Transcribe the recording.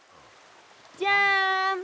じゃん！